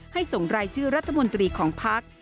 ให้ส่งรายชื่อรัฐมนตรีของภาค